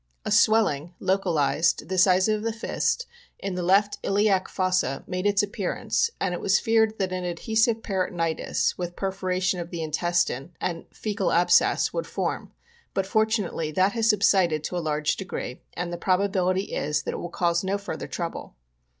A swelling, localized, the size of the fist, in the left iliac fossa, made its appearance, and it was feared that an adhesive peritonitis, with perforation of the intestine and foecal abscess, would form, but fortunately that has subsided to a large degree, and the probability is that it will cause no further trouble.